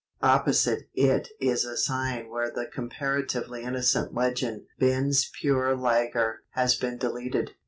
Opposite it is a sign where the comparatively innocent legend BEN'S PURE LAGER has been deleted.